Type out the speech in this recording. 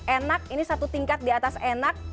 enak ini satu tingkat di atas enak